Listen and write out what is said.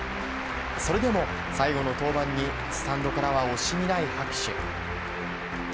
それでも最後の登板にスタンドからは惜しみない拍手。